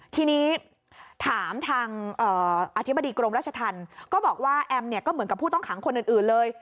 ทีนี้ถามทางอธิบดีกรมราชธรรมก็บอกว่าแอมเนี่ยก็เหมือนกับผู้ต้องขังคนอื่นเลย